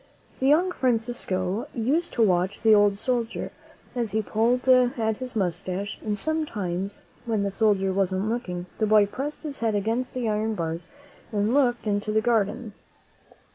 The young Fran cisco used to watch the old soldier as he pulled at his mustache, and sometimes, when the soldier wasn't looking, the boy pressed his head against the iron bars and looked into the garden.